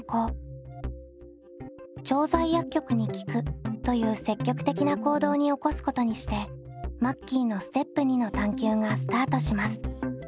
調剤薬局に聞くという積極的な行動に起こすことにしてマッキーのステップ②の探究がスタートします。